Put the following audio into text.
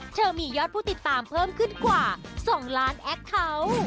ยอดมียอดผู้ติดตามเพิ่มขึ้นกว่า๒ล้านแอคเคาน์